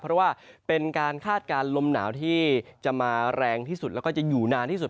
เพราะว่าเป็นการคาดการณ์ลมหนาวที่จะมาแรงที่สุดแล้วก็จะอยู่นานที่สุด